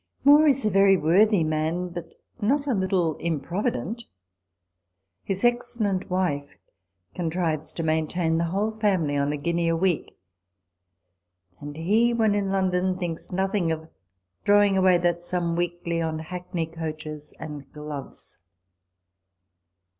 Moore is a very worthy man, but not a little improvident. His excellent wife contrives to main tain the whole family on a guinea a week ; and he, when in London, thinks nothing of throwing away that sum weekly on hackney coaches and gloves.